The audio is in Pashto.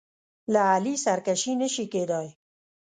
له علي سرکشي نه شي کېدای.